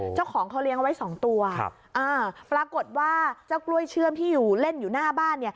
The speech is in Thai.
เจ้าของเขาเลี้ยงไว้๒ตัวปรากฏว่าเจ้ากล้วยเชื่อมที่อยู่เล่นอยู่หน้าบ้าน